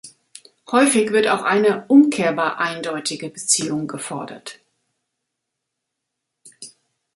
Häufig wird auch eine umkehrbar eindeutige Beziehung gefordert.